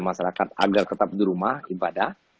masyarakat agar tetap di rumah ibadah